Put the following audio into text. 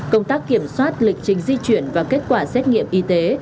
công tác kiểm soát lịch trình di chuyển và kết quả xét nghiệm y tế